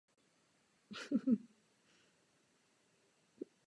Praktickým příkladem přirozeného ekosystému je prostředí jihočeských rybníků.